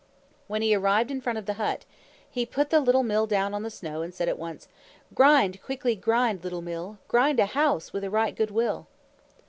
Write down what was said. When he arrived in front of the hut, he put the little Mill down on the snow, and said at once, "Grind, quickly grind, little Mill, Grind a HOUSE with a right good will!"